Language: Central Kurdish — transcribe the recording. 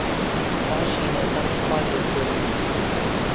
ئاشی نەزان خوا دەیگێڕێت.